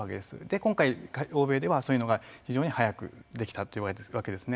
今回、欧米ではそういうのが非常に早くできたというわけですね。